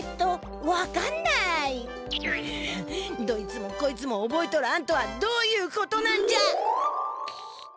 どいつもこいつもおぼえとらんとはどういうことなんじゃ！？